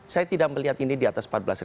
saya tidak melihat ini di atas empat belas